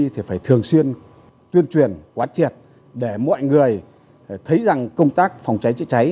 thì phải thường xuyên tuyên truyền quán triệt để mọi người thấy rằng công tác phòng cháy chữa cháy